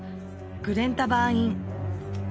グレン・タバーン・イン